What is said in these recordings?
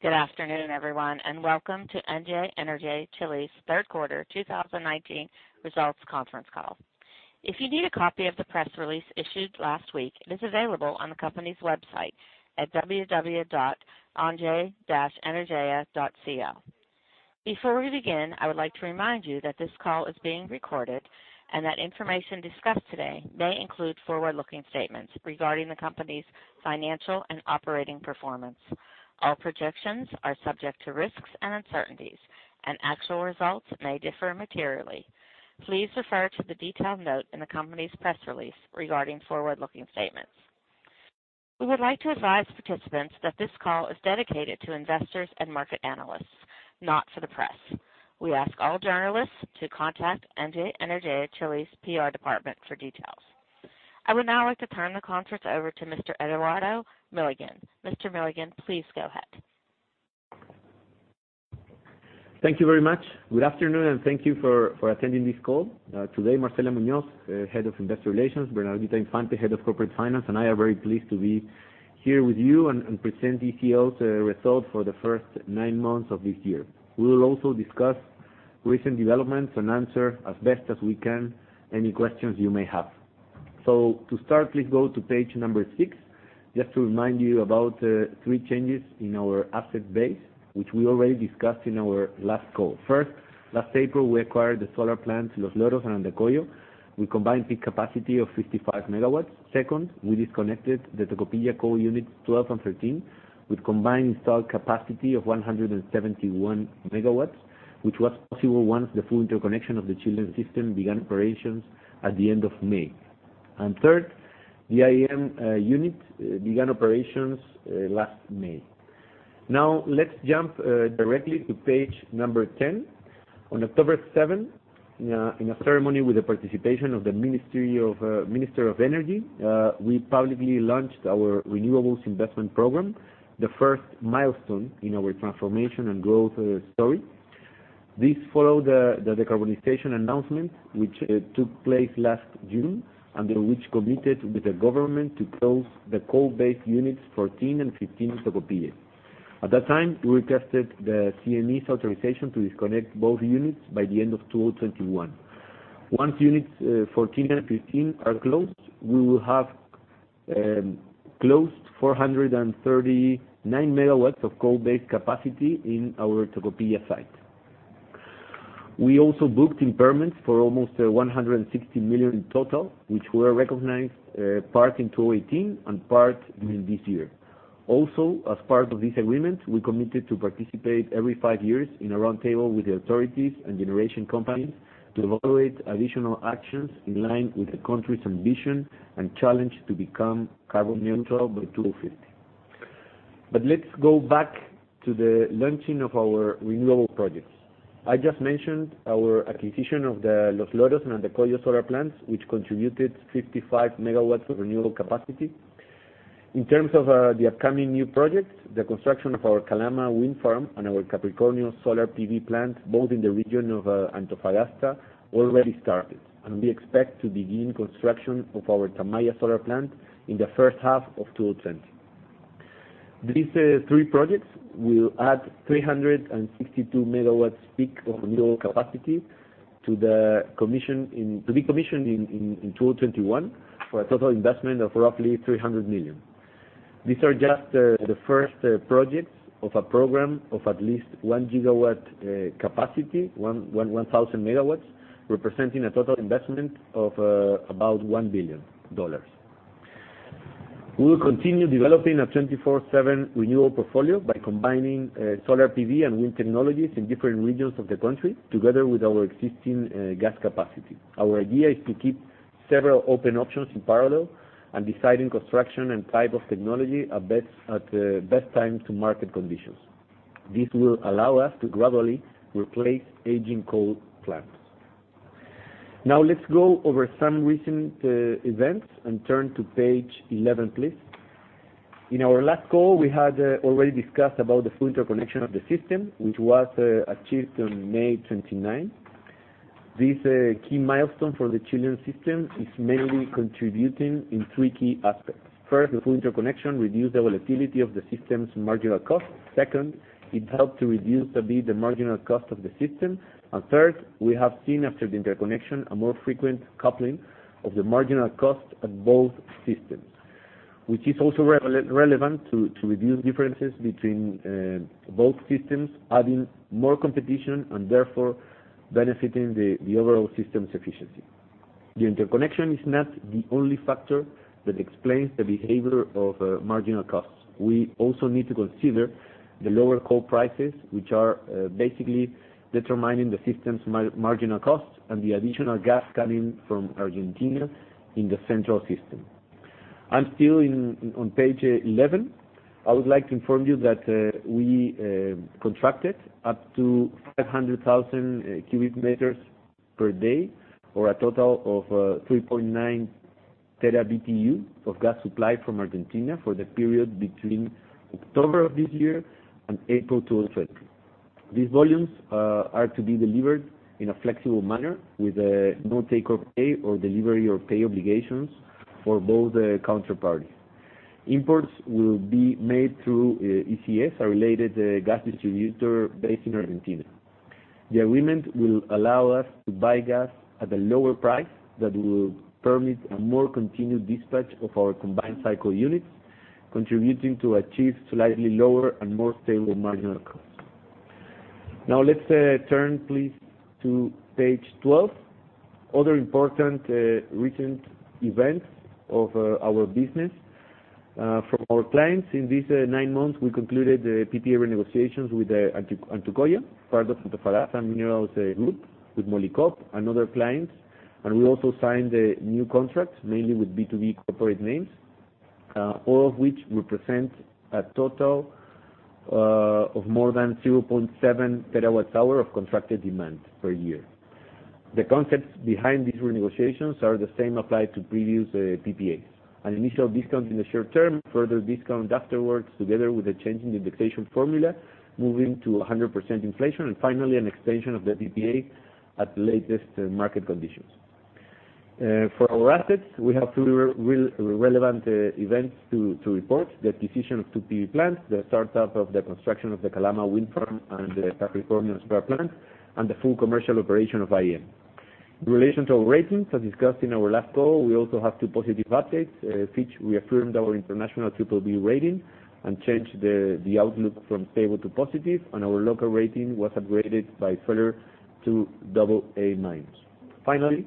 Good afternoon, everyone, and welcome to Engie Energia Chile third quarter 2019 results conference call. If you need a copy of the press release issued last week, it is available on the company's website at www.engie-energia.cl. Before we begin, I would like to remind you that this call is being recorded and that information discussed today may include forward-looking statements regarding the company's financial and operating performance. All projections are subject to risks and uncertainties, and actual results may differ materially. Please refer to the detailed note in the company's press release regarding forward-looking statements. We would like to advise participants that this call is dedicated to investors and market analysts, not for the press. We ask all journalists to contact Engie Energia Chile PR department for details. I would now like to turn the conference over to Mr. Eduardo Milligan. Mr. Milligan, please go ahead. Thank you very much. Good afternoon, and thank you for attending this call. Today, Marcela Muñoz, Head of Investor Relations, Bernardita Infante, Head of Corporate Finance, and I are very pleased to be here with you and present ECL's results for the first nine months of this year. We will also discuss recent developments and answer as best as we can any questions you may have. To start, please go to page number six, just to remind you about three changes in our asset base, which we already discussed in our last call. First, last April, we acquired the solar plant, Los Loros and Andacollo, with combined peak capacity of 55 MW. Second, we disconnected the Tocopilla coal unit 12 and 13 with combined installed capacity of 171 MW, which was possible once the full interconnection of the Chilean system began operations at the end of May. Third, IEM unit began operations last May. Now, let's jump directly to page number 10. On October 7, in a ceremony with the participation of the Minister of Energy, we publicly launched our renewables investment program, the first milestone in our transformation and growth story. This followed the decarbonization announcement, which took place last June, under which committed with the government to close the coal-based units 14 and 15 in Tocopilla. At that time, we requested the CNE's authorization to disconnect both units by the end of 2021. Once units 14 and 15 are closed, we will have closed 439 megawatts of coal-based capacity in our Tocopilla site. We also booked impairments for almost $160 million in total, which were recognized part in 2018 and part during this year. Also, as part of this agreement, we committed to participate every five years in a roundtable with the authorities and generation companies to evaluate additional actions in line with the country's ambition and challenge to become carbon neutral by 2050. Let's go back to the launching of our renewable projects. I just mentioned our acquisition of the Los Loros and Andacollo solar plants, which contributed 55 MW of renewable capacity. In terms of the upcoming new projects, the construction of our Calama wind farm and our Capricornio solar PV plant, both in the region of Antofagasta, already started, and we expect to begin construction of our Tamaya solar plant in the first half of 2020. These three projects will add 362 MWp of renewable capacity to be commissioned in 2021 for a total investment of roughly $300 million. These are just the first projects of a program of at least one gigawatt capacity, 1,000 megawatts, representing a total investment of about $1 billion. We will continue developing a 24/7 renewable portfolio by combining solar PV and wind technologies in different regions of the country, together with our existing gas capacity. Our idea is to keep several open options in parallel and decide on construction and type of technology at the best time to market conditions. This will allow us to gradually replace aging coal plants. Now, let's go over some recent events and turn to page 11, please. In our last call, we had already discussed about the full interconnection of the system, which was achieved on May 29th. This key milestone for the Chilean system is mainly contributing in three key aspects. First, the full interconnection reduced the volatility of the system's marginal cost. Second, it helped to reduce a bit the marginal cost of the system. Third, we have seen after the interconnection a more frequent coupling of the marginal cost of both systems, which is also relevant to reduce differences between both systems, adding more competition and therefore benefiting the overall system's efficiency. The interconnection is not the only factor that explains the behavior of marginal costs. We also need to consider the lower coal prices, which are basically determining the system's marginal cost and the additional gas coming from Argentina in the central system. I am still on page 11. I would like to inform you that we contracted up to 500,000 cubic meters per day or a total of 3.9 tera BTU of gas supply from Argentina for the period between October of this year and April 2020. These volumes are to be delivered in a flexible manner with no take or pay or delivery or pay obligations for both counterparties. Imports will be made through ECS, our related gas distributor based in Argentina. The agreement will allow us to buy gas at a lower price that will permit a more continued dispatch of our combined cycle units, contributing to achieve slightly lower and more stable marginal costs. Now let's turn, please, to page 12. Other important recent events of our business. From our clients, in these nine months, we concluded the PPA renegotiations with Antucoya, part of the Antofagasta Minerals group, with Molycop, another client. We also signed new contracts, mainly with B2B corporate names, all of which represent a total of more than 0.7 terawatt-hour of contracted demand per year. The concepts behind these renegotiations are the same applied to previous PPAs. An initial discount in the short term, further discount afterwards, together with a change in the indexation formula, moving to 100% inflation, and finally an extension of the PPA at latest market conditions. For our assets, we have three relevant events to report: the acquisition of two PV plants, the startup of the construction of the Calama wind farm and the [Tacornal solar plant], and the full commercial operation of IEM. In relation to our ratings, as discussed in our last call, we also have two positive updates. Fitch reaffirmed our international BBB rating and changed the outlook from stable to positive, and our local rating was upgraded by Fitch to AA-. Finally,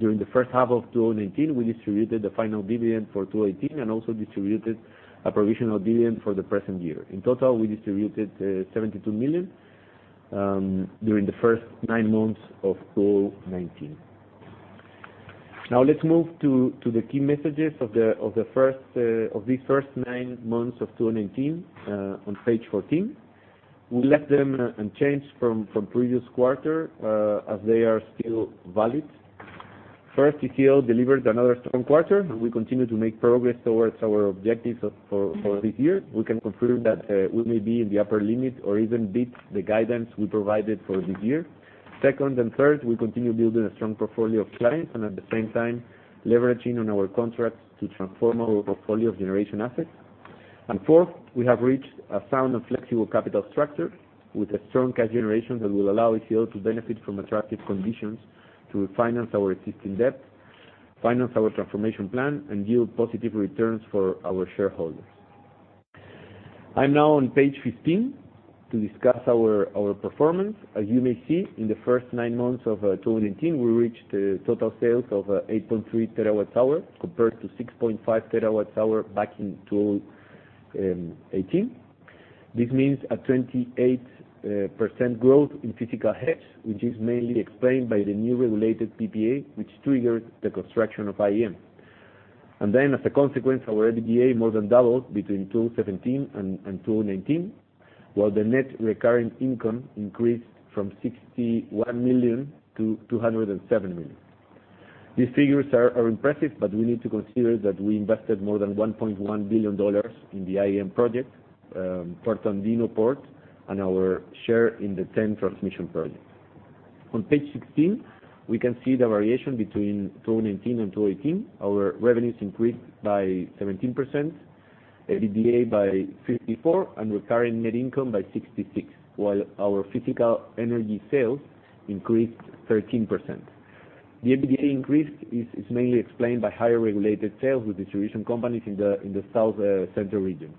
during the first half of 2019, we distributed the final dividend for 2018 and also distributed a provisional dividend for the present year. In total, we distributed $72 million during the first nine months of 2019. Now let's move to the key messages of these first nine months of 2019 on page 14. We left them unchanged from previous quarter, as they are still valid. First, [ISA]delivered another strong quarter, and we continue to make progress towards our objectives for this year. We can confirm that we may be in the upper limit or even beat the guidance we provided for this year. Second and third, we continue building a strong portfolio of clients and, at the same time, leveraging on our contracts to transform our portfolio of generation assets. Fourth, we have reached a sound and flexible capital structure with a strong cash generation that will allow [ISA] to benefit from attractive conditions to finance our existing debt, finance our transformation plan, and yield positive returns for our shareholders. I'm now on page 15 to discuss our performance. As you may see, in the first nine months of 2018, we reached total sales of 8.3 terawatt-hours compared to 6.5 terawatt-hours back in 2018. This means a 28% growth in physical hedge, which is mainly explained by the new regulated PPA, which triggered the construction of IEM. As a consequence, our EBITDA more than doubled between 2017 and 2019, while the net recurring income increased from $61 million to $207 million. These figures are impressive, we need to consider that we invested more than $1.1 billion in the IEM project, Puerto Andino, and our share in the 10 transmission projects. On page 16, we can see the variation between 2019 and 2018. Our revenues increased by 17%, EBITDA by 54%, and recurring net income by 66%, while our physical energy sales increased 13%. The EBITDA increase is mainly explained by higher-regulated sales with distribution companies in the South Central region.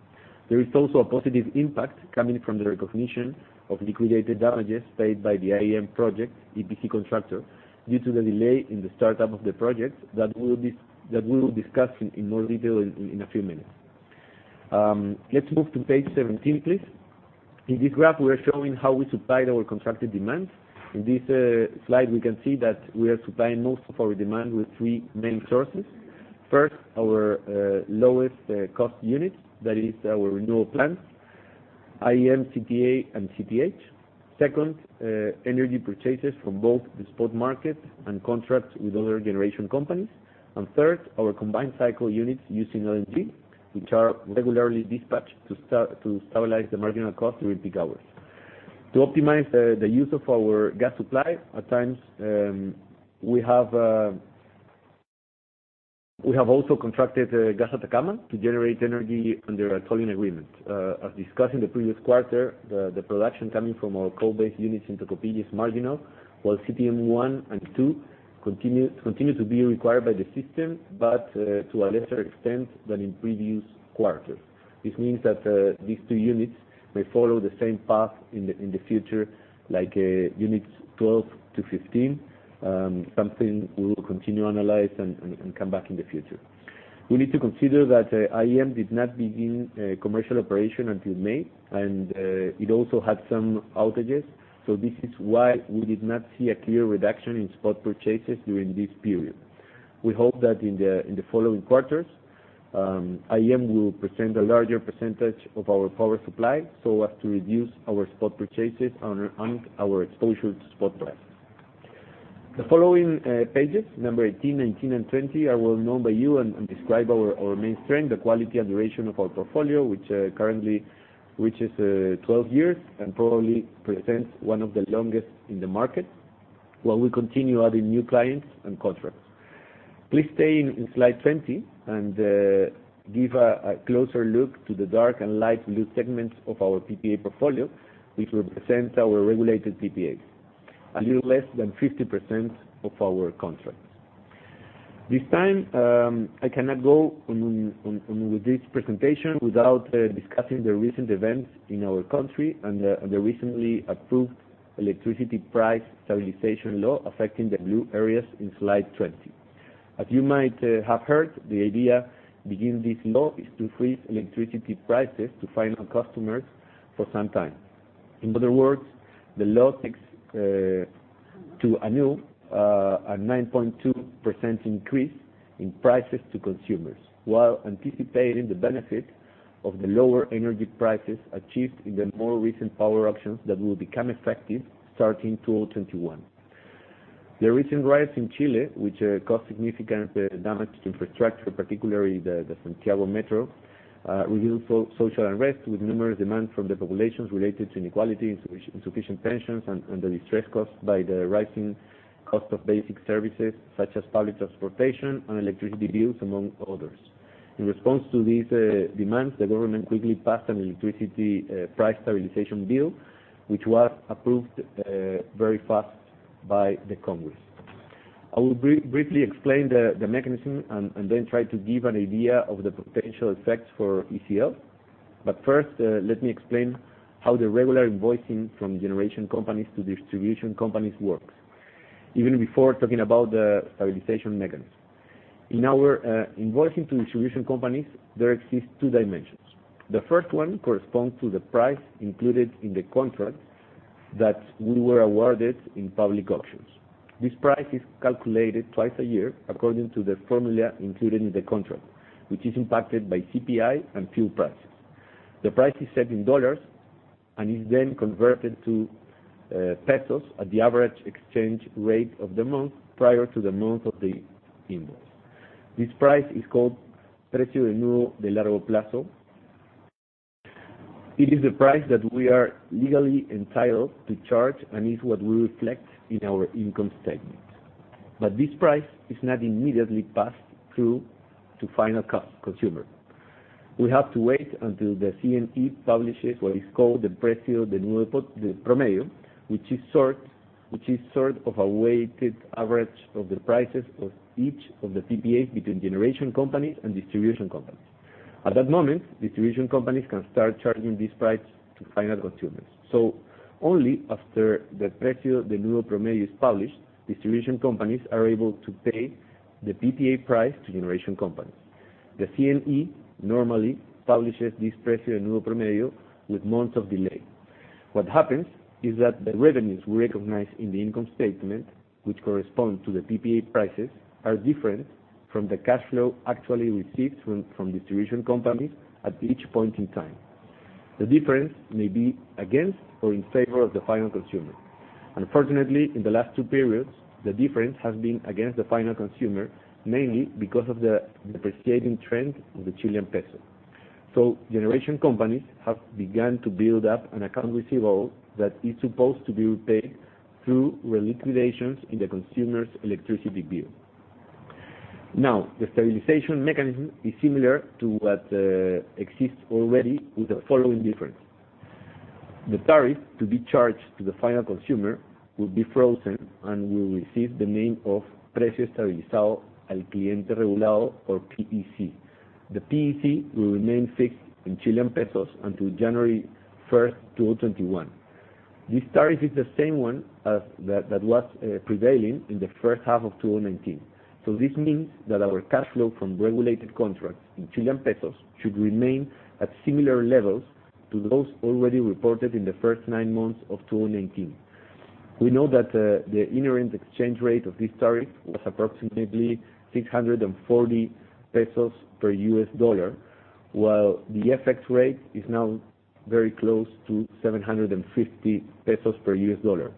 There is also a positive impact coming from the recognition of liquidated damages paid by the IEM project EPC constructor due to the delay in the startup of the project that we will discuss in more detail in a few minutes. Let's move to page 17, please. In this graph, we are showing how we supplied our contracted demands. In this slide, we can see that we are supplying most of our demand with three main sources. First, our lowest cost units, that is our renewable plants, IEM, CTA, and CTH. Second, energy purchases from both the spot market and contracts with other generation companies. Third, our combined cycle units using LNG, which are regularly dispatched to stabilize the marginal cost during peak hours. To optimize the use of our gas supply, at times, we have also contracted Gas Atacama to generate energy under a tolling agreement. As discussed in the previous quarter, the production coming from our coal-based units in Tocopilla is marginal, while CTM one and two continue to be required by the system, to a lesser extent than in previous quarters. This means that these two units may follow the same path in the future like units 12 to 15, something we will continue to analyze and come back in the future. We need to consider that IEM did not begin commercial operation until May, and it also had some outages. This is why we did not see a clear reduction in spot purchases during this period. We hope that in the following quarters, IEM will present a larger % of our power supply so as to reduce our spot purchases and our exposure to spot price. The following pages, number 18, 19 and 20, are well-known by you and describe our main strength, the quality and duration of our portfolio, which currently reaches 12 years, and probably presents one of the longest in the market, while we continue adding new clients and contracts. Please stay in slide 20 and give a closer look to the dark and light blue segments of our PPA portfolio, which represents our regulated PPAs. A little less than 50% of our contracts. This time, I cannot go on with this presentation without discussing the recent events in our country and the recently approved electricity price stabilization law affecting the blue areas in slide 20. As you might have heard, the idea behind this law is to freeze electricity prices to final customers for some time. In other words, the law seeks to annul a 9.2% increase in prices to consumers, while anticipating the benefit of the lower energy prices achieved in the more recent power auctions that will become effective starting 2021. The recent riots in Chile, which caused significant damage to infrastructure, particularly the Santiago Metro, revealed social unrest with numerous demands from the populations related to inequality, insufficient pensions, and the distress caused by the rising cost of basic services such as public transportation and electricity bills, among others. In response to these demands, the government quickly passed an electricity price stabilization bill, which was approved very fast by the Congress. I will briefly explain the mechanism and then try to give an idea of the potential effects for ECL. First, let me explain how the regular invoicing from generation companies to distribution companies works, even before talking about the stabilization mechanism. In our invoicing to distribution companies, there exist two dimensions. The first one corresponds to the price included in the contract that we were awarded in public auctions. This price is calculated twice a year according to the formula included in the contract, which is impacted by CPI and fuel prices. The price is set in dollars and is then converted to pesos at the average exchange rate of the month prior to the month of the invoice. This price is called Precio de Nudo de Largo Plazo. It is the price that we are legally entitled to charge, and is what we reflect in our income statement. This price is not immediately passed through to final consumer. We have to wait until the CNE publishes what is called the Precio de Nudo Promedio, which is sort of a weighted average of the prices of each of the PPAs between generation companies and Distribution Companies. At that moment, Distribution Companies can start charging this price to final consumers. Only after the Precio de Nudo Promedio is published, distribution companies are able to pay the PPA price to generation companies. The CNE normally publishes this Precio de Nudo Promedio with months of delay. What happens is that the revenues we recognize in the income statement, which correspond to the PPA prices, are different from the cash flow actually received from distribution companies at each point in time. The difference may be against or in favor of the final consumer. Unfortunately, in the last two periods, the difference has been against the final consumer, mainly because of the depreciating trend of the Chilean peso. generation companies have begun to build up an account receivable that is supposed to be paid through reliquidations in the consumer's electricity bill. Now, the stabilization mechanism is similar to what exists already with the following difference. The tariff to be charged to the final consumer will be frozen and will receive the name of Precio Estabilizado al Cliente Regulado or PEC. The PEC will remain fixed in CLP until January 1st, 2021. This tariff is the same one that was prevailing in the first half of 2019. This means that our cash flow from regulated contracts in CLP should remain at similar levels to those already reported in the first nine months of 2019. We know that the inherent exchange rate of this tariff was approximately 640 pesos per US dollar, while the FX rate is now very close to 750 pesos per US dollar.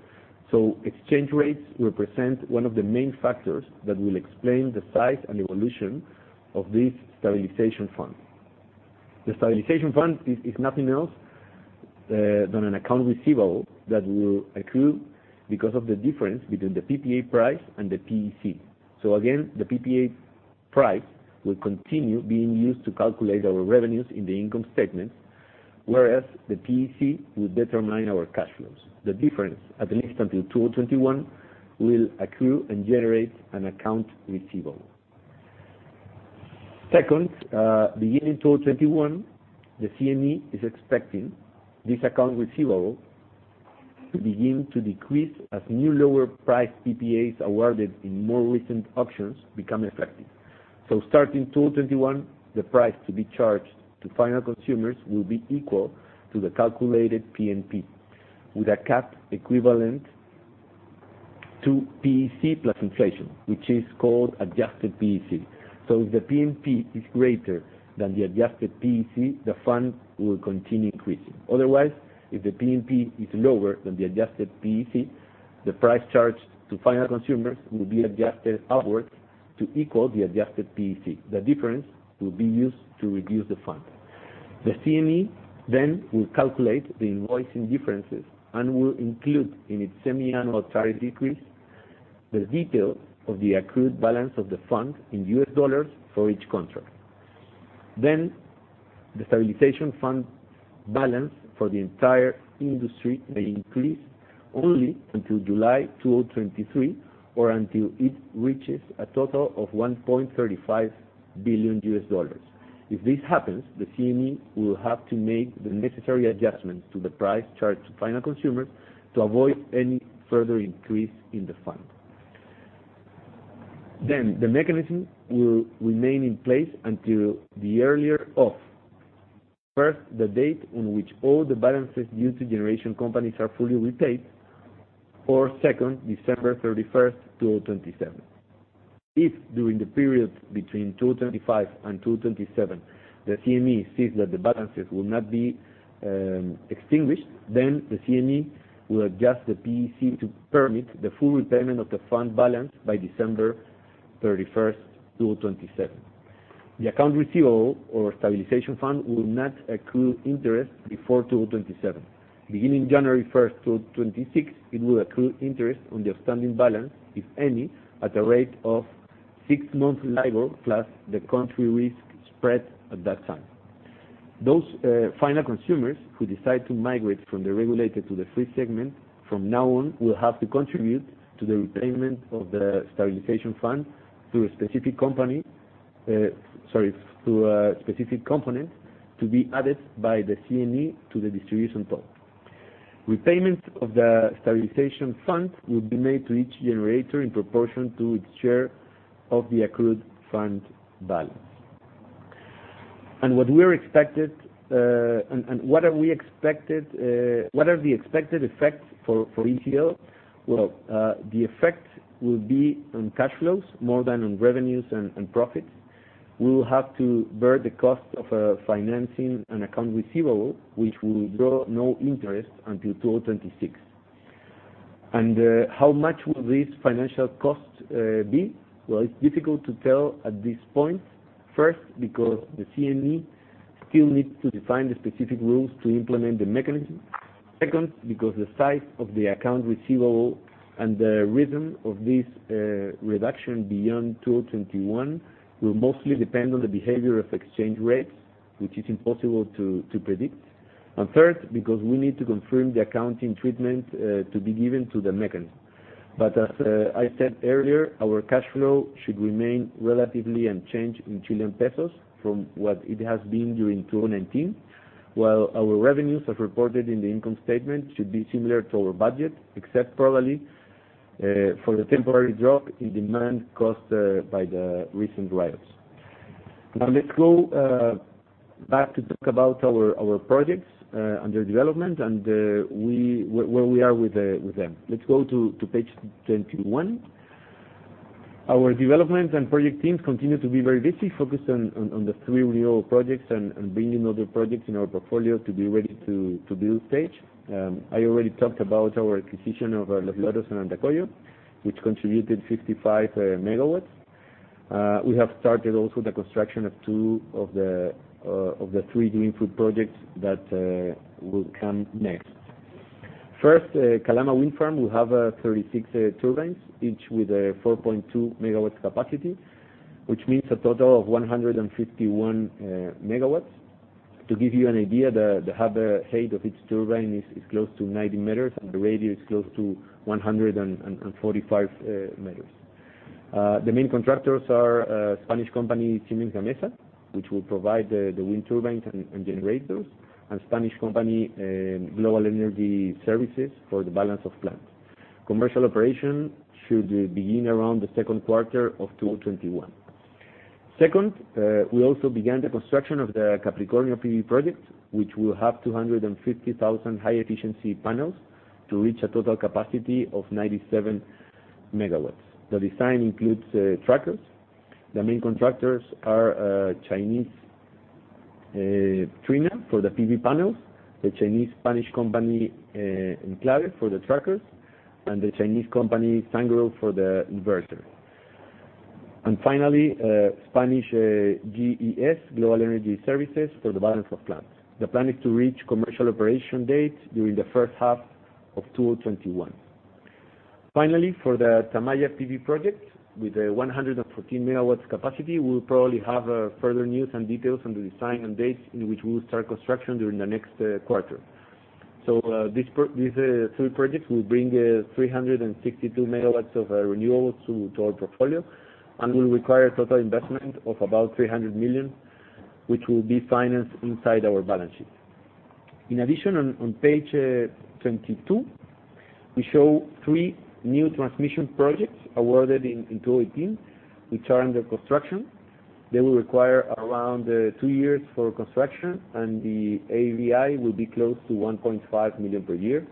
Exchange rates represent one of the main factors that will explain the size and evolution of this stabilization fund. The stabilization fund is nothing else than an account receivable that will accrue because of the difference between the PPA price and the PEC. Again, the PPA price will continue being used to calculate our revenues in the income statement, whereas the PEC will determine our cash flows. The difference, at least until 2021, will accrue and generate an account receivable. Second, beginning 2021, the CNE is expecting this account receivable to begin to decrease as new lower price PPAs awarded in more recent auctions become effective. Starting 2021, the price to be charged to final consumers will be equal to the calculated PNP, with a cap equivalent to PEC plus inflation, which is called adjusted PEC. If the PNP is greater than the adjusted PEC, the fund will continue increasing. Otherwise, if the PNP is lower than the adjusted PEC, the price charged to final consumers will be adjusted upwards to equal the adjusted PEC. The difference will be used to reduce the fund. The CNE will calculate the invoicing differences and will include in its semi-annual tariff decrease, the details of the accrued balance of the fund in US dollars for each contract. The stabilization fund balance for the entire industry may increase only until July 2023, or until it reaches a total of $1.35 billion. If this happens, the CNE will have to make the necessary adjustments to the price charged to final consumers to avoid any further increase in the fund. The mechanism will remain in place until the earlier of, first, the date on which all the balances due to generation companies are fully repaid, or second, December 31st, 2027. If during the period between 2025 and 2027, the CNE sees that the balances will not be extinguished, then the CNE will adjust the PEC to permit the full repayment of the fund balance by December 31st, 2027. The account receivable or stabilization fund will not accrue interest before 2027. Beginning January 1st, 2026, it will accrue interest on the outstanding balance, if any, at a rate of six-month LIBOR plus the country risk spread at that time. Those final consumers who decide to migrate from the regulated to the free segment, from now on, will have to contribute to the repayment of the stabilization fund through a specific component to be added by the CNE to the distribution pool. Repayment of the stabilization fund will be made to each generator in proportion to its share of the accrued fund balance. What are the expected effects for Enel? Well, the effect will be on cash flows more than on revenues and profits. We will have to bear the cost of financing an account receivable, which will draw no interest until 2026. How much will this financial cost be? Well, it is difficult to tell at this point. First, because the CNE still needs to define the specific rules to implement the mechanism. Second, because the size of the account receivable and the rhythm of this reduction beyond 2021 will mostly depend on the behavior of exchange rates, which is impossible to predict. Third, because we need to confirm the accounting treatment to be given to the mechanism. As I said earlier, our cash flow should remain relatively unchanged in Chilean pesos from what it has been during 2019, while our revenues as reported in the income statement should be similar to our budget, except probably, for the temporary drop in demand caused by the recent riots. Let's go back to talk about our projects under development and where we are with them. Let's go to page 21. Our development and project teams continue to be very busy, focused on the three renewal projects and bringing other projects in our portfolio to be ready to build stage. I already talked about our acquisition of Los Vilos and Andacollo, which contributed 55 megawatts. We have started also the construction of two of the three greenfield projects that will come next. First, Calama Wind Farm will have 36 turbines, each with a 4.2 MW capacity, which means a total of 151 MW. To give you an idea, the hub height of each turbine is close to 90 m, and the radius is close to 145 m. The main contractors are a Spanish company, Siemens Gamesa, which will provide the wind turbines and generators, and Spanish company, Global Energy Services, for the balance of plant. Commercial operation should begin around the second quarter of 2021. Second, we also began the construction of the Capricornio PV project, which will have 250,000 high-efficiency panels to reach a total capacity of 97 MW. The design includes trackers. The main contractors are Chinese Trina for the PV panels, the Chinese-Spanish company Nclave for the trackers, and the Chinese company Sungrow for the inverters. Finally, Spanish GES, Global Energy Services, for the balance of plant. The plan is to reach commercial operation date during the first half of 2021. For the Tamaya PV project, with a 114 MW capacity, we'll probably have further news and details on the design and dates in which we will start construction during the next quarter. These three projects will bring 362 MW of renewables to our portfolio and will require a total investment of about $300 million, which will be financed inside our balance sheet. In addition, on page 22, we show three new transmission projects awarded in 2018, which are under construction. They will require around two years for construction, and the AVI will be close to $1.5 million per year.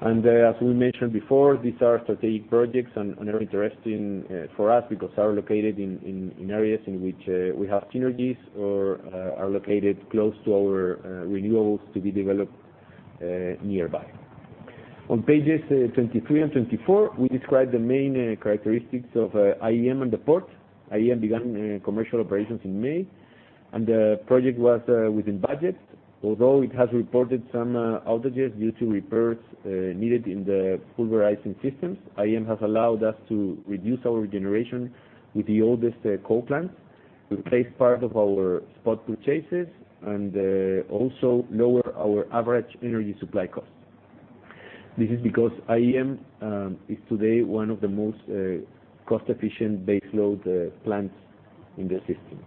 As we mentioned before, these are strategic projects and are interesting for us because they are located in areas in which we have synergies or are located close to our renewables to be developed nearby. On pages 23 and 24, we describe the main characteristics of IEM and the port. IEM began commercial operations in May, and the project was within budget. Although it has reported some outages due to repairs needed in the pulverizing systems, IEM has allowed us to reduce our generation with the oldest coal plants, replace part of our spot purchases, and also lower our average energy supply cost. This is because IEM is today one of the most cost-efficient baseload plants in the system.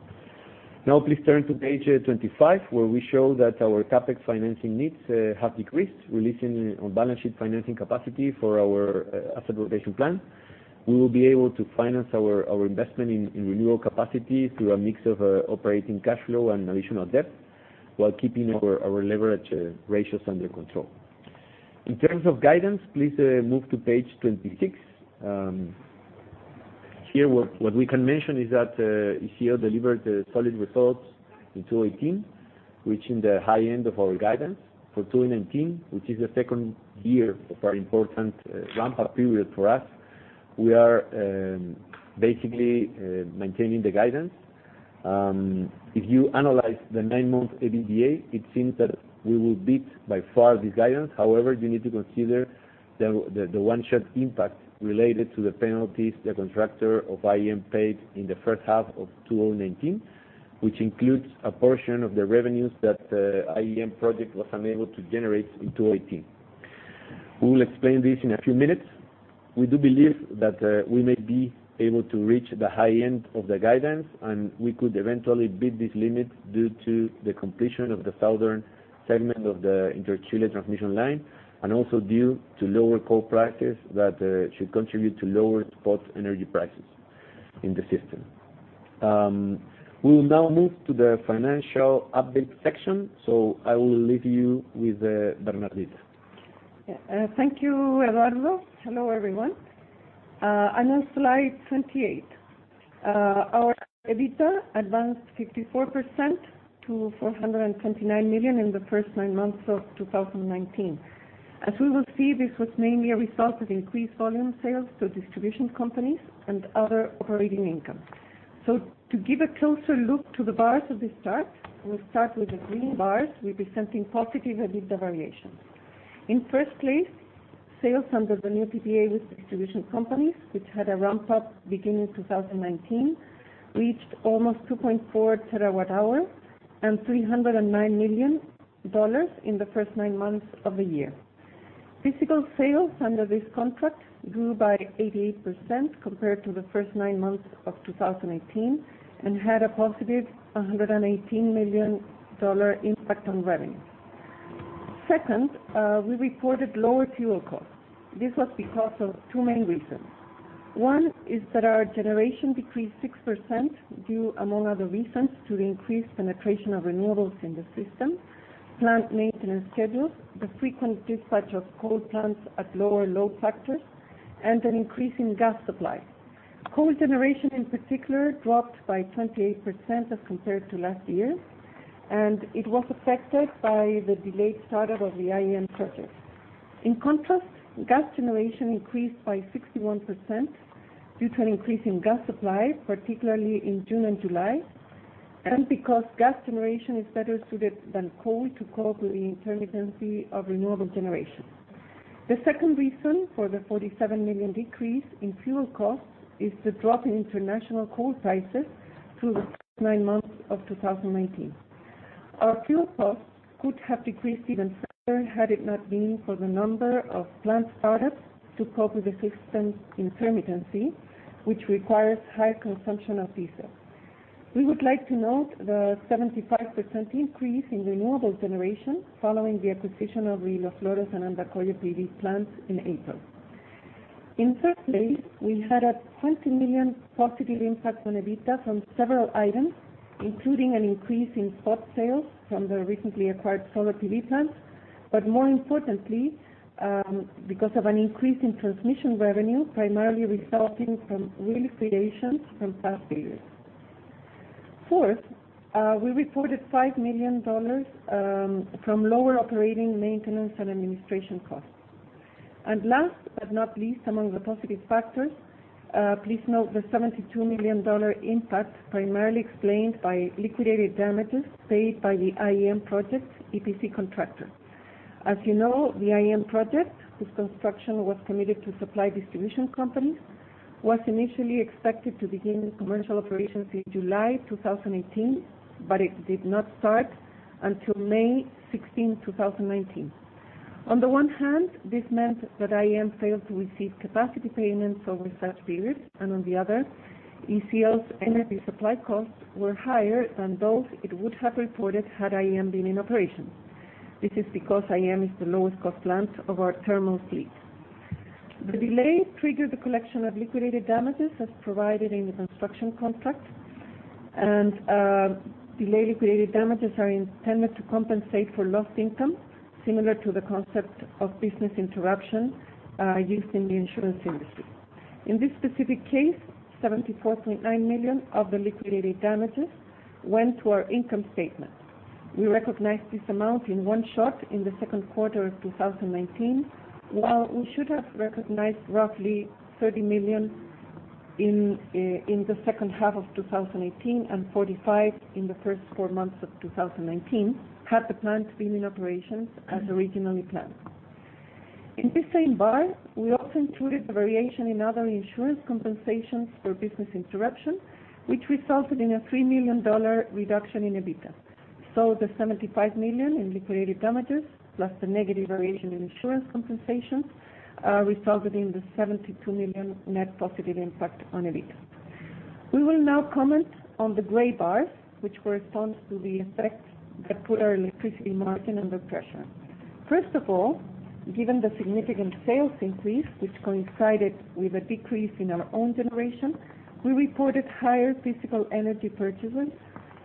Now please turn to page 25, where we show that our CapEx financing needs have decreased, releasing on-balance sheet financing capacity for our asset rotation plan. We will be able to finance our investment in renewal capacity through a mix of operating cash flow and additional debt while keeping our leverage ratios under control. In terms of guidance, please move to page 26. Here, what we can mention is that ECL delivered solid results in 2018, reaching the high end of our guidance. For 2019, which is the second year of our important ramp-up period for us, we are basically maintaining the guidance. If you analyze the nine-month EBITDA, it seems that we will beat, by far, this guidance. You need to consider the one-shot impact related to the penalties the contractor of IEM paid in the first half of 2019, which includes a portion of the revenues that the IEM project was unable to generate in 2018. We will explain this in a few minutes. We do believe that we may be able to reach the high end of the guidance, and we could eventually beat this limit due to the completion of the southern segment of the InterChile transmission line, and also due to lower coal prices that should contribute to lower spot energy prices in the system. We will now move to the financial update section, so I will leave you with Bernardita. Yeah. Thank you, Eduardo. Hello, everyone. I'm on slide 28. Our EBITDA advanced 54% to $429 million in the first nine months of 2019. As we will see, this was mainly a result of increased volume sales to distribution companies and other operating income. To give a closer look to the bars of this chart, we'll start with the green bars representing positive EBITDA variations. In first place, sales under the new PPA with distribution companies, which had a ramp-up beginning 2019, reached almost 2.4 terawatt hour and $309 million in the first nine months of the year. Physical sales under this contract grew by 88% compared to the first nine months of 2018 and had a positive $118 million impact on revenue. Second, we reported lower fuel costs. This was because of two main reasons. One is that our generation decreased 6%, due, among other reasons, to the increased penetration of renewables in the system, plant maintenance schedules, the frequent dispatch of coal plants at lower load factors, and an increase in gas supply. Coal generation, in particular, dropped by 28% as compared to last year, and it was affected by the delayed start-up of the IEM project. In contrast, gas generation increased by 61% due to an increase in gas supply, particularly in June and July, and because gas generation is better suited than coal to cope with the intermittency of renewable generation. The second reason for the $47 million decrease in fuel costs is the drop in international coal prices through the first nine months of 2019. Our fuel costs could have decreased even further had it not been for the number of plant start-ups to cope with the system's intermittency, which requires higher consumption of diesel. We would like to note the 75% increase in renewable generation following the acquisition of the Rio Flores and Andacollo PV plants in April. In third place, we had a $20 million positive impact on EBITDA from several items, including an increase in spot sales from the recently acquired solar PV plants, but more importantly, because of an increase in transmission revenue, primarily resulting from reliquidations from past periods. Fourth, we reported $5 million from lower operating maintenance and administration costs. Last but not least among the positive factors, please note the $72 million impact primarily explained by liquidated damages paid by the IEM project EPC contractor. As you know, the IEM project, whose construction was committed to supply distribution companies, was initially expected to begin commercial operations in July 2018, but it did not start until May 16, 2019. On the one hand, this meant that IEM failed to receive capacity payments over that period, and on the other, ECL's energy supply costs were higher than those it would have reported had IEM been in operation. This is because IEM is the lowest-cost plant of our thermal fleet. The delay triggered the collection of liquidated damages as provided in the construction contract, and delay liquidated damages are intended to compensate for lost income, similar to the concept of business interruption used in the insurance industry. In this specific case, $74.9 million of the liquidated damages went to our income statement. We recognize this amount in one shot in the second quarter of 2019, while we should have recognized roughly $30 million in the second half of 2018 and $45 in the first four months of 2019, had the plant been in operations as originally planned. In this same bar, we also included the variation in other insurance compensations for business interruption, which resulted in a $3 million reduction in EBITDA. The $75 million in liquidated damages, plus the negative variation in insurance compensation, resulting in the $72 million net positive impact on EBITDA. We will now comment on the gray bars, which corresponds to the effects that put our electricity margin under pressure. First of all, given the significant sales increase, which coincided with a decrease in our own generation, we reported higher physical energy purchases,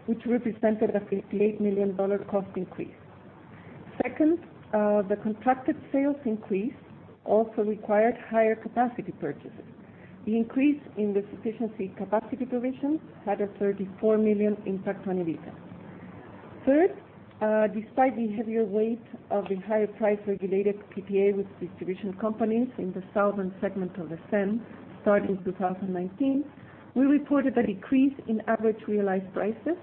which represented a $58 million cost increase. Second, the contracted sales increase also required higher capacity purchases. The increase in the sufficiency capacity provision had a $34 million impact on EBITDA. Third, despite the heavier weight of the higher price regulated PPA with distribution companies in the southern segment of the CEN starting 2019, we reported a decrease in average realized prices,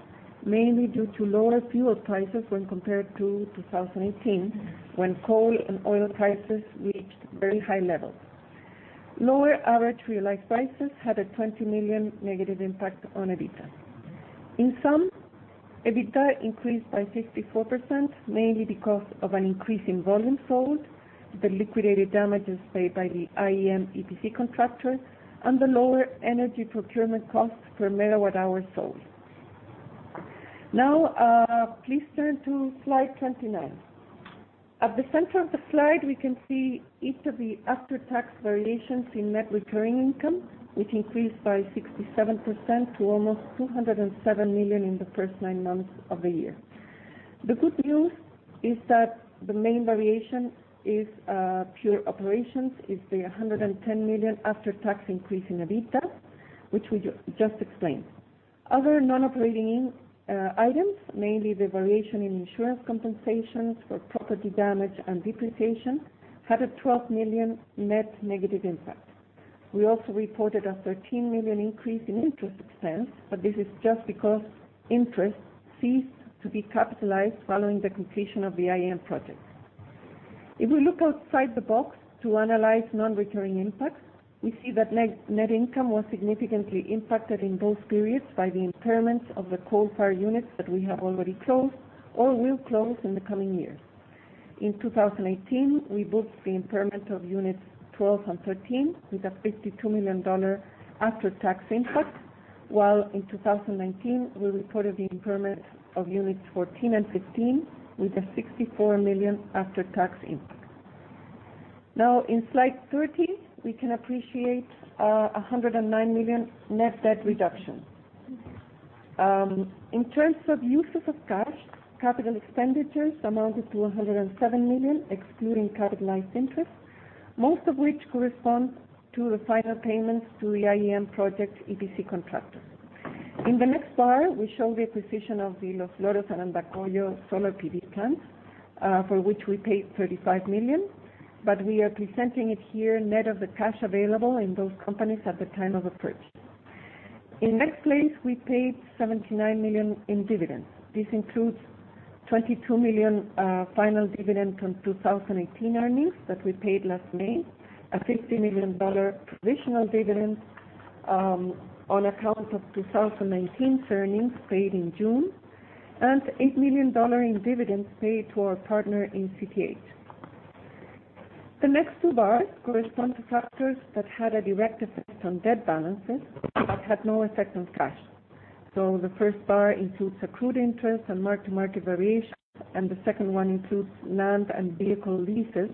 mainly due to lower fuel prices when compared to 2018, when coal and oil prices reached very high levels. Lower average realized prices had a $20 million negative impact on EBITDA. In sum, EBITDA increased by 64%, mainly because of an increase in volume sold, the liquidated damages paid by the IEM EPC contractor, and the lower energy procurement cost per megawatt hour sold. Please turn to slide 29. At the center of the slide, we can see each of the after-tax variations in net recurring income, which increased by 67% to almost $207 million in the first nine months of the year. The good news is that the main variation is pure operations, is the $110 million after-tax increase in EBITDA, which we just explained. Other non-operating items, mainly the variation in insurance compensations for property damage and depreciation, had a $12 million net negative impact. We also reported a $13 million increase in interest expense, this is just because interest ceased to be capitalized following the completion of the IEM project. If we look outside the box to analyze non-recurring impacts, we see that net income was significantly impacted in both periods by the impairments of the coal-fired units that we have already closed or will close in the coming years. In 2018, we booked the impairment of units 12 and 13 with a $52 million after-tax impact, while in 2019, we reported the impairment of units 14 and 15 with a $64 million after-tax impact. Now in slide 30, we can appreciate $109 million net debt reduction. In terms of uses of cash, capital expenditures amounted to $107 million, excluding capitalized interest, most of which correspond to the final payments to the IEM project EPC contractor. In the next bar, we show the acquisition of the Los Loros and Andacollo solar PV plants, for which we paid $35 million, but we are presenting it here net of the cash available in those companies at the time of purchase. In next place, we paid $79 million in dividends. This includes $22 million final dividend from 2018 earnings that we paid last May, a $50 million provisional dividend on account of 2019 earnings paid in June, and $8 million in dividends paid to our partner in CPH. The next two bars correspond to factors that had a direct effect on debt balances but had no effect on cash. The first bar includes accrued interest and mark-to-market variation, and the second one includes land and vehicle leases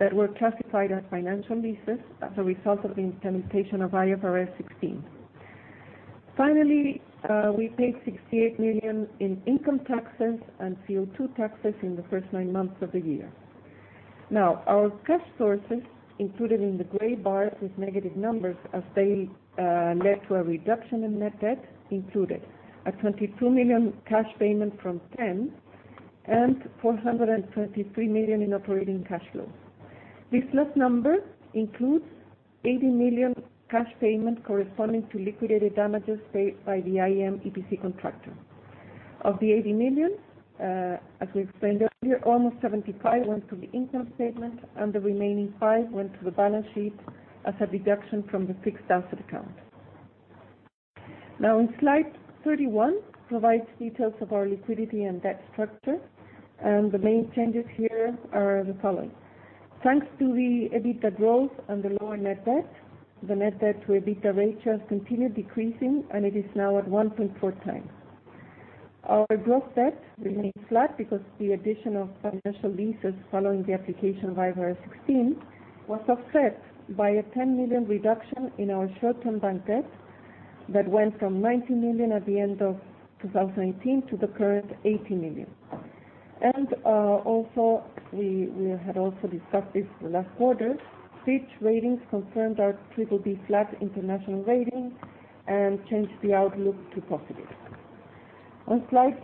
that were classified as financial leases as a result of the implementation of IFRS 16. Finally, we paid 68 million in income taxes and CO2 taxes in the first nine months of the year. Our cash sources, included in the gray bars with negative numbers, as they led to a reduction in net debt, included a 22 million cash payment from CEN and 423 million in operating cash flow. This last number includes 80 million cash payment corresponding to liquidated damages paid by the IEM EPC contractor. Of the 80 million, as we explained earlier, almost 75 went to the income statement, and the remaining five went to the balance sheet as a deduction from the fixed asset account. In slide 31, provides details of our liquidity and debt structure, the main changes here are the following. Thanks to the EBITDA growth and the lower net debt, the net debt to EBITDA ratio has continued decreasing, and it is now at 1.4 times. Our gross debt remains flat because the addition of financial leases following the application of IFRS 16 was offset by a $10 million reduction in our short-term bank debt that went from $90 million at the end of 2018 to the current $80 million. Also, we had also discussed this last quarter, Fitch Ratings confirmed our triple B flat international rating and changed the outlook to positive. On slide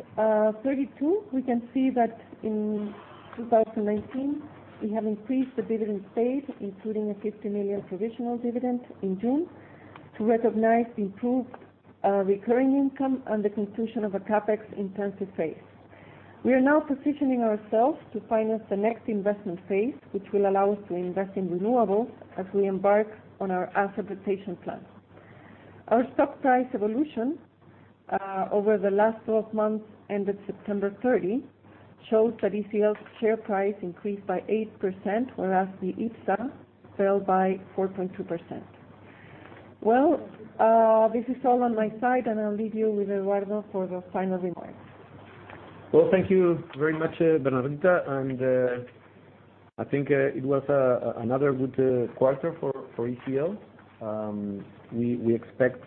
32, we can see that in 2019, we have increased the dividend paid, including a $50 million provisional dividend in June, to recognize improved recurring income and the conclusion of a CapEx-intensive phase. We are now positioning ourselves to finance the next investment phase, which will allow us to invest in renewables as we embark on our asset rotation plan. Our stock price evolution over the last 12 months ended September 30, shows that ECL's share price increased by 8%, whereas the IPSA fell by 4.2%. This is all on my side, and I'll leave you with Eduardo for the final remarks. Well, thank you very much, Bernardita. I think it was another good quarter for ECL. We expect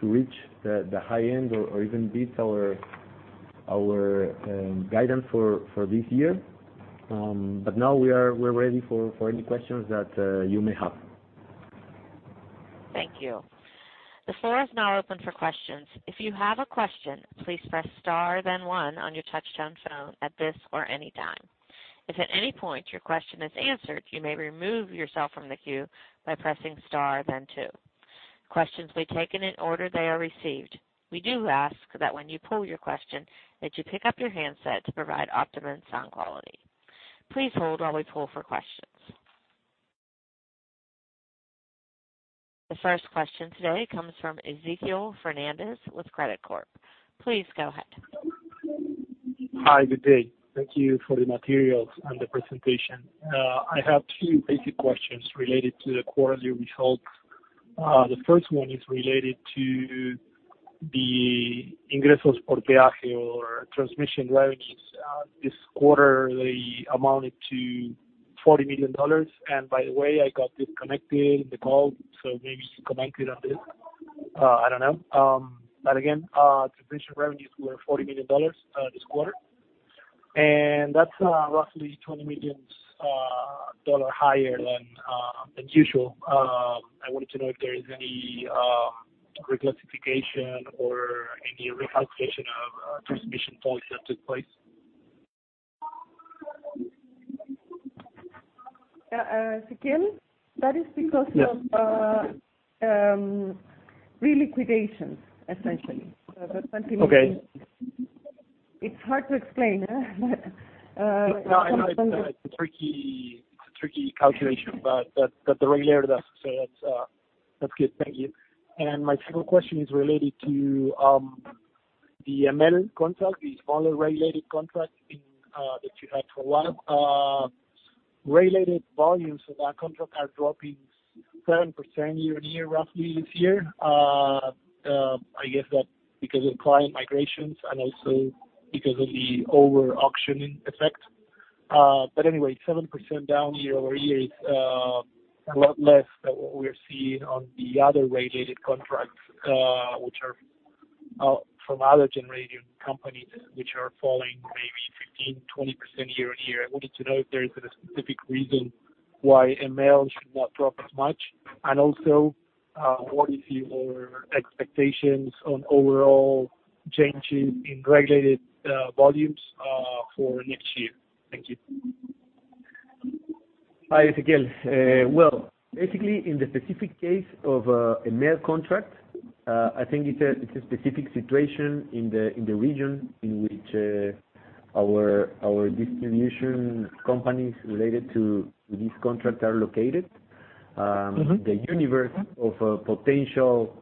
to reach the high end or even beat our guidance for this year. Now we're ready for any questions that you may have. Thank you. The floor is now open for questions. If you have a question, please press star then one on your touch-tone phone at this or any time. If at any point your question is answered, you may remove yourself from the queue by pressing star then two. Questions will be taken in order they are received. We do ask that when you pose your question that you pick up your handset to provide optimum sound quality. Please hold while we poll for questions. The first question today comes from Ezequiel Fernandez with Credicorp Capital. Please go ahead. Hi, good day. Thank you for the materials and the presentation. I have two basic questions related to the quarterly results. The first one is related to the ingresos por peaje, or transmission revenues. This quarter, they amounted to $40 million. By the way, I got disconnected the call. Maybe you commented on this, I don't know. Again, transmission revenues were $40 million this quarter. That's roughly $20 million higher than usual. I wanted to know if there is any reclassification or any recalculation of transmission tolls that took place. Ezequiel, that is because of. Yes re-liquidations, essentially. The $20 million Okay. It's hard to explain. No, I know it's a tricky calculation, but that the regulator does it, so that's good. Thank you. My second question is related to the EML contract, the smaller regulated contract that you had for a while. Regulated volumes of that contract are dropping 7% year-on-year, roughly, this year. I guess that because of client migrations and also because of the over-auctioning effect. Anyway, 7% down year-over-year is a lot less than what we're seeing on the other regulated contracts from other generating companies, which are falling maybe 15%-20% year-on-year. I wanted to know if there is a specific reason why EML should not drop as much. Also, what is your expectations on overall changes in regulated volumes for next year? Thank you. Hi, Ezequiel. Well, basically, in the specific case of EML contract, I think it's a specific situation in the region in which our distribution companies related to this contract are located. The universe of potential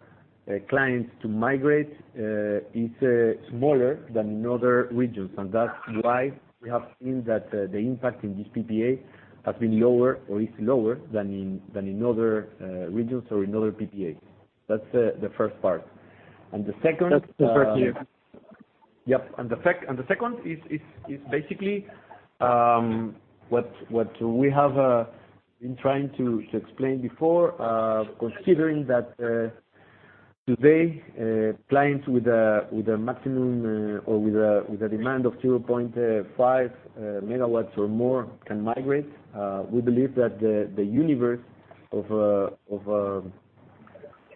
clients to migrate is smaller than in other regions. That's why we have seen that the impact in this PPA has been lower or is lower than in other regions or in other PPAs. That's the first part. That's super clear. Yep. The second is basically what we have been trying to explain before, considering that today clients with a maximum or with a demand of 0.5 MW or more can migrate. We believe that the universe of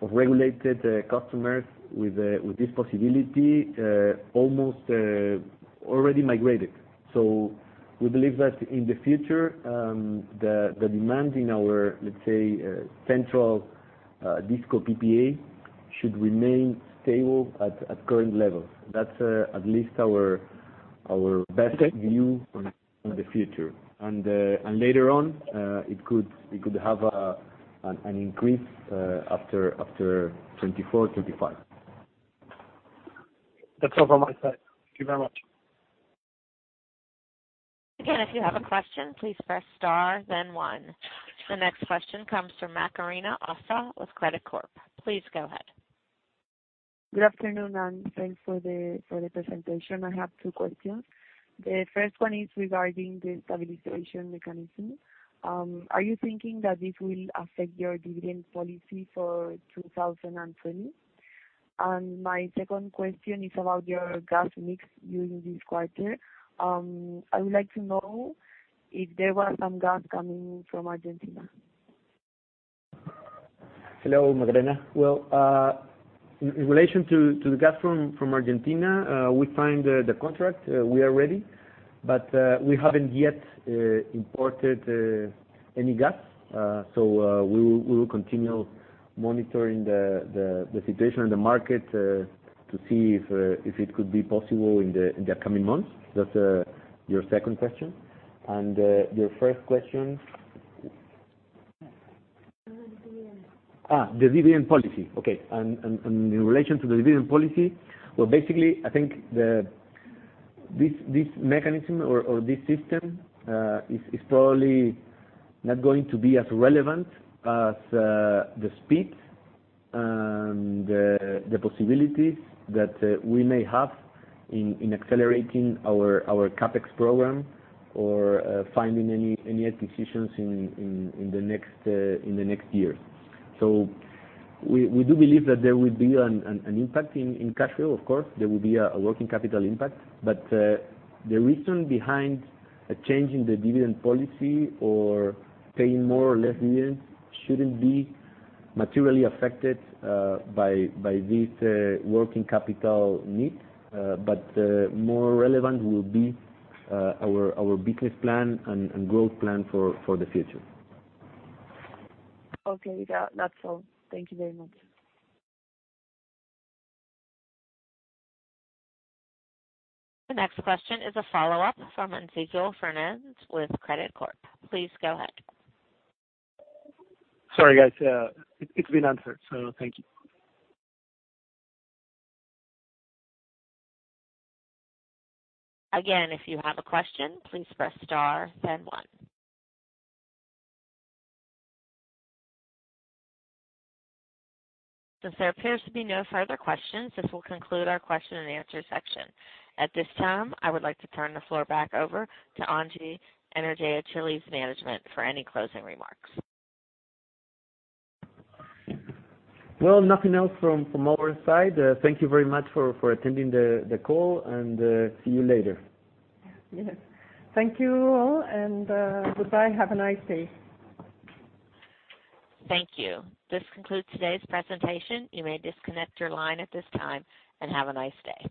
regulated customers with this possibility almost already migrated. We believe that in the future, the demand in our, let's say, central DisCos PPA should remain stable at current levels. That's at least our best view on the future. Later on, it could have an increase after 2024, 2025. That's all from my side. Thank you very much. If you have a question, please press star then one. The next question comes from Macarena Auzua with Credicorp Capital. Please go ahead. Good afternoon. Thanks for the presentation. I have two questions. The first one is regarding the stabilization mechanism. Are you thinking that this will affect your dividend policy for 2020? My second question is about your gas mix during this quarter. I would like to know if there was some gas coming from Argentina. Hello, Macarena. Well, in relation to the gas from Argentina, we signed the contract. We are ready. We haven't yet imported any gas. We will continue monitoring the situation in the market to see if it could be possible in the coming months. That's your second question. Your first question? Dividend. The dividend policy. Okay. In relation to the dividend policy, well, basically, I think this mechanism or this system is probably not going to be as relevant as the speed and the possibilities that we may have in accelerating our CapEx program or finding any acquisitions in the next year. We do believe that there will be an impact in cash flow, of course. There will be a working capital impact. The reason behind a change in the dividend policy or paying more or less dividends shouldn't be materially affected by this working capital need. More relevant will be our business plan and growth plan for the future. Okay. That's all. Thank you very much. The next question is a follow-up from Ezequiel Fernandez with Credicorp Capital. Please go ahead. Sorry, guys. It's been answered, so thank you. Again, if you have a question, please press star then one. Since there appears to be no further questions, this will conclude our question and answer section. At this time, I would like to turn the floor back over to Engie Energia Chile's management for any closing remarks. Well, nothing else from our side. Thank you very much for attending the call, and see you later. Yes. Thank you all, and goodbye. Have a nice day. Thank you. This concludes today's presentation. You may disconnect your line at this time, and have a nice day.